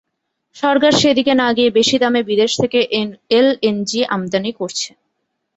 সরকার সেদিকে না গিয়ে বেশি দামে বিদেশ থেকে এলএনজি আমদানি করছে।